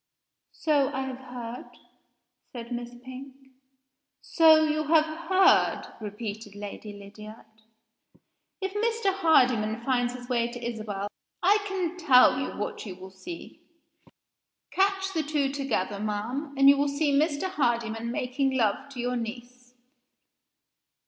"So I have heard," said Miss Pink. "So you have heard?" repeated Lady Lydiard. "If Mr. Hardyman finds his way to Isabel I can tell you what you will see. Catch the two together, ma'am and you will see Mr. Hardyman making love to your niece."